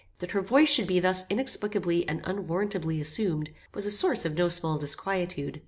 That her voice should be thus inexplicably and unwarrantably assumed, was a source of no small disquietude.